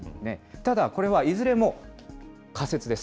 ただ、これはいずれも仮説です。